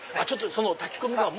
その炊き込みご飯